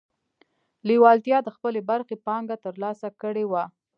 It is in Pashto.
لېوالتیا د خپلې برخې پانګه ترلاسه کړې وه.